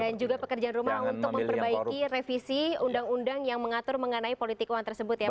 dan juga pekerjaan rumah untuk memperbaiki revisi undang undang yang mengatur mengenai politik uang tersebut ya